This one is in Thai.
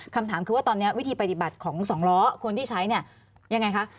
คำถามคือว่าตอนนี้วิธีปฏิบัติของสองล้อคนที่ใช้เนี่ยยังไงคะ